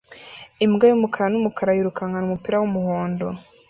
Imbwa yumukara numukara yirukana umupira wumuhondo